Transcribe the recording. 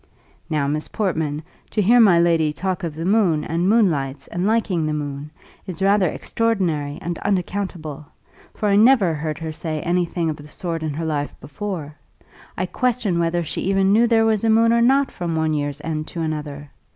Now, Miss Portman, to hear my lady talk of the moon, and moonlights, and liking the moon, is rather extraordinary and unaccountable; for I never heard her say any thing of the sort in her life before; I question whether she ever knew there was a moon or not from one year's end to another.